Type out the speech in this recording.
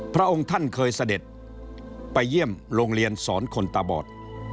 พระองค์ท่านเคยเสด็จไปเยี่ยมโรงเรียนสอนคนตาบอด